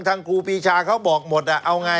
เออทางครูปีชาเขาบอกหมดอะเอาไง